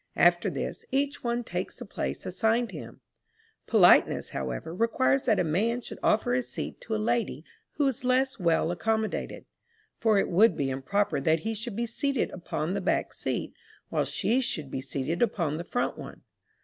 After this, each one takes the place assigned him. Politeness, however, requires that a man should offer his seat to a lady who is less well accommodated; for it would be improper that he should be seated upon the back seat, while she should be seated upon the front one.